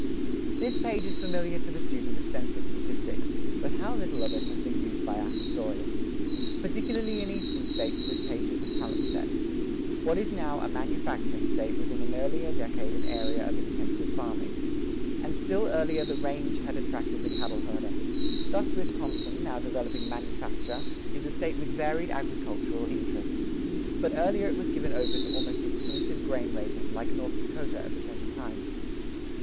[11:2] This page is familiar to the student of census statistics, but how little of it has been used by our historians. Particularly in eastern States this page is a palimpsest. What is now a manufacturing State was in an earlier decade an area of intensive farming. Earlier yet it had been a wheat area, and still earlier the "range" had attracted the cattle herder. Thus Wisconsin, now developing manufacture, is a State with varied agricultural interests. But earlier it was given over to almost exclusive grain raising, like North Dakota at the present time.